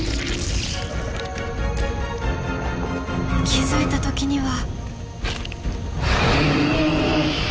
気付いた時には。